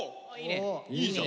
いいじゃん。